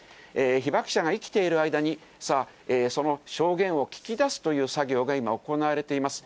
被爆者が生きている間に、その証言を聞き出すという作業が今、行われています。